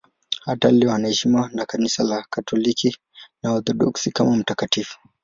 Hata leo anaheshimiwa na Kanisa Katoliki na Waorthodoksi kama mtakatifu.